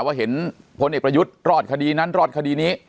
ว่าเห็นพลเอกประยุทธ์รอดคดีนั้นรอดคดีนี้